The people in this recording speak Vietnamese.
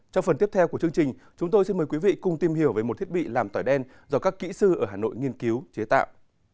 trong phần tiếp theo của chương trình chúng tôi xin mời quý vị cùng tìm hiểu về một thiết bị làm tỏi đen do các kỹ sư ở hà nội nghiên cứu chế tạo